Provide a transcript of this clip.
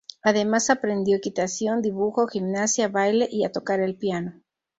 Además aprendió equitación, dibujo, gimnasia, baile y a tocar el piano.